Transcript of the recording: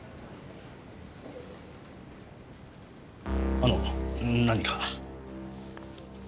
あの何か？